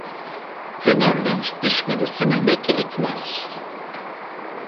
Fenoller diş minesini leke etmez.